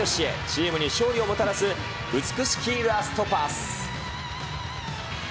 チームに勝利をもたらす美しきラストパス。